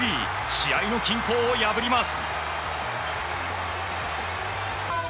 試合の均衡を破ります。